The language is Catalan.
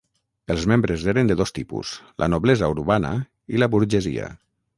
Els membres eren de dos tipus: la noblesa urbana i la burgesia.